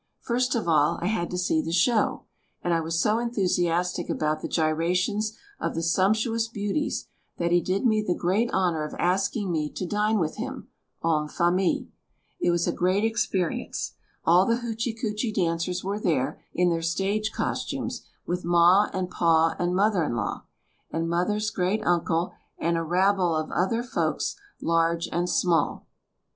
First of all I had to see the show, and I was so enthusiastic about the gyrations of the sumptuous beauties that he did me the great honor of asking me to dine with him, en famille. It was a great experience. All the Hoochy koochy dancers were there, in their stage costumes, with ma and pa and mother in law, and mother's great uncle and a rabble of other folks, large and small.